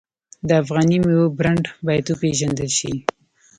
د افغاني میوو برنډ باید وپیژندل شي.